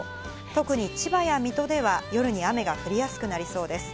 特に千葉や水戸では夜に雨が降りやすくなりそうです。